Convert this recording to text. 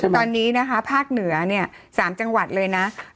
ตอนนี้นะคะภาคเหนือ๓จังหวัดเลยนะ